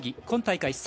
今大会